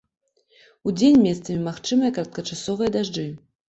Удзень месцамі магчымыя кароткачасовыя дажджы.